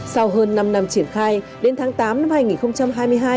sau hơn năm năm triển khai đến tháng tám năm hai nghìn hai mươi hai